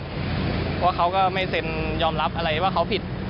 เพราะเขาก็ไม่เซ็นยอมรับอะไรว่าเขาผิด